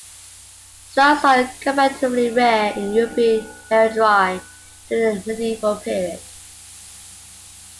Stars are comparatively rare in European heraldry during the medieval period.